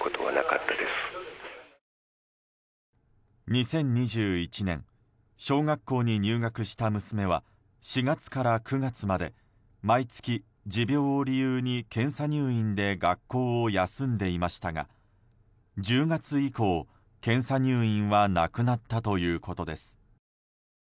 ２０２１年小学校に入学した娘は４月から９月まで毎月、持病を理由に検査入院で学校を休んでいましたが１０月以降、検査入院はなくなったということです。